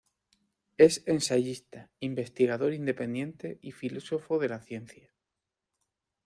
Es ensayista, investigador independiente y filósofo de la ciencia.